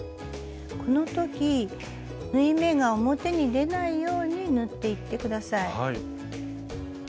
この時縫い目が表に出ないように縫っていって下さい。